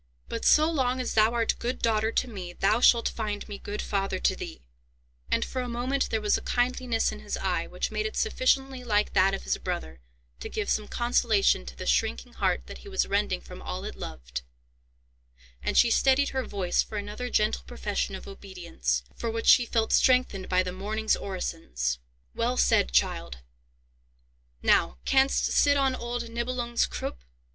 But, so long as thou art good daughter to me, thou shalt find me good father to thee;" and for a moment there was a kindliness in his eye which made it sufficiently like that of his brother to give some consolation to the shrinking heart that he was rending from all it loved; and she steadied her voice for another gentle profession of obedience, for which she felt strengthened by the morning's orisons. "Well said, child. Now canst sit on old Nibelung's croup?